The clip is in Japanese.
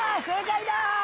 正解だ！